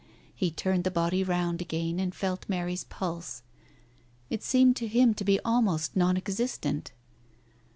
He turned the body round again, and felt Mary's pulse. It seemed to him to be almost non existent.